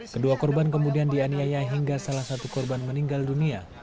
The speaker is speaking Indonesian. kedua korban kemudian dianiaya hingga salah satu korban meninggal dunia